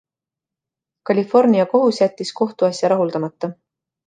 California kohus jättis kohtuasja rahuldamata.